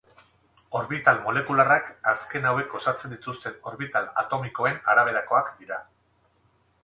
Orbital molekularrak azken hauek osatzen dituzten orbital atomikoen araberakoak dira.